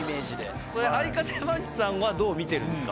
それ相方山内さんはどう見てるんですか？